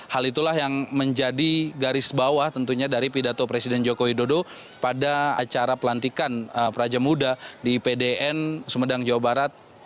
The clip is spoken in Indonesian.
hal itulah yang menjadi garis bawah tentunya dari pidato presiden joko widodo pada acara pelantikan praja muda di pdn sumedang jawa barat